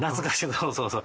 そうそうそう。